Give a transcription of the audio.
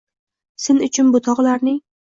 «Sen uchun bu togʼlarning